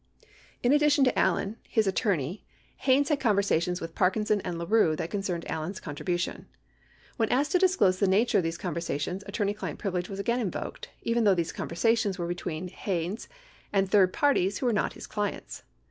68 In addition to Allen, his attorney, Haynes had conversations with Parkinson and LaRue that concerned Allen's contribution. When asked to disclose the nature of these conversations, attorney client privilege was again invoked, even though these conversations were between Haynes and third parties who were not his clients.